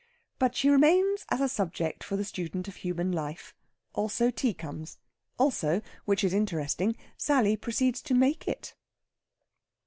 But she remains as a subject for the student of human life also, tea comes also, which is interesting, Sally proceeds to make it.